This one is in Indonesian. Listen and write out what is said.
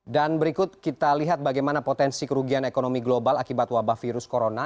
dan berikut kita lihat bagaimana potensi kerugian ekonomi global akibat wabah virus corona